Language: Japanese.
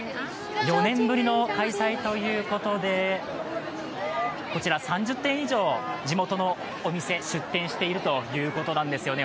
４年ぶりの開催ということで、こちら３０店以上、地元のお店、出店しているということなんですよね。